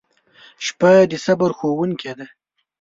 • شپه د صبر ښوونکې ده.